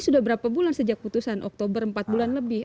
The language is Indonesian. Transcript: sejak sebulan sejak putusan oktober empat bulan lebih